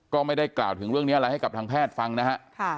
ก็ไม่ได้กล่าวถึงเรื่องนี้อะไรให้กับทางแพทย์ฟังนะฮะ